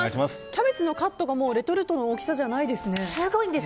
キャベツのカットがレトルトの大きさじゃないですよね。